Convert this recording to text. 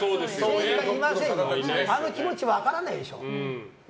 あの気持ち分からないでしょ？